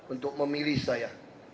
untuk memilih saya